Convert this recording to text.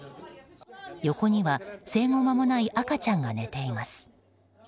横には、生後間もない赤ちゃんが寝ています。